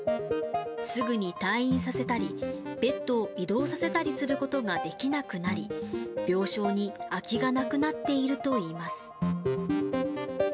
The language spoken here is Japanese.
すぐに退院させたり、ベッドを移動させたりすることができなくなり、病床に空きがなくなっているといいます。